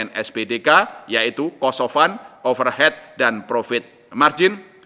ketiga melanjutkan pengembangan komponen sbdk yaitu cost of funds overhead dan profit margin